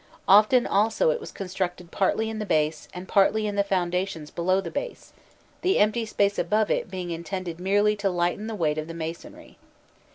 Often also it was constructed partly in the base, and partly in the foundations below the base, the empty space above it being intended merely to lighten the weight of the masonry.